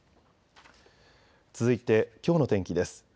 続いてきょうの天気です。